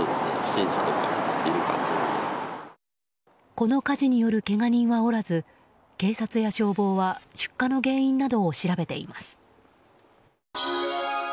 この火事によるけが人はおらず警察や消防は出火の原因などを調べています。